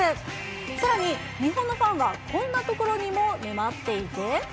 さらに日本のファンはこんなところにも沼っていて。